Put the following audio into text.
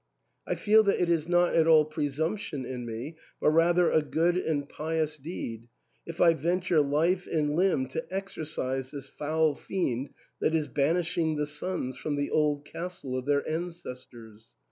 I feel that it is not at all presumption in me, but rather a good and pious deed, if I venture life and limb to exorcise this foul fiend that is banishing the sons from the old castle of their ancestors.